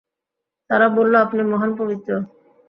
তারা বলল, আপনি মহান, পবিত্র।